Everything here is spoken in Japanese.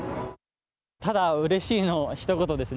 ただうれしいの一言です。